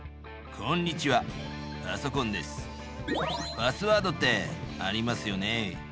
パスワードってありますよね。